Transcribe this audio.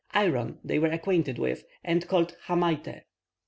Iron they were acquainted with, and called "hamaite."